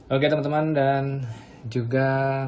oke teman teman dan juga